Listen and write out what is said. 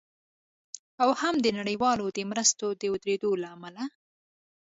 او هم د نړیوالو د مرستو د ودریدو له امله